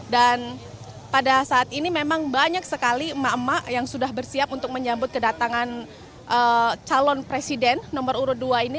pada saat ini memang banyak sekali emak emak yang sudah bersiap untuk menyambut kedatangan calon presiden nomor urut dua ini